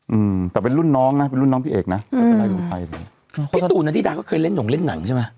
อืมแต่เป็นรุ่นน้องน่ะเป็นรุ่นน้องพี่เอกน่ะอืมพี่ตูนธิดาก็เคยเล่นหน่วงเล่นหนังใช่ไหม